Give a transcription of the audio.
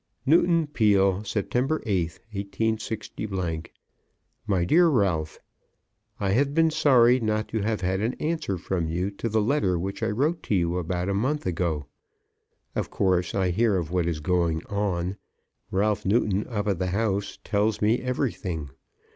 Newton Peele, September 8th, 186 . MY DEAR RALPH, I have been sorry not to have had an answer from you to the letter which I wrote to you about a month ago. Of course I hear of what is going on. Ralph Newton up at the house tells me everything.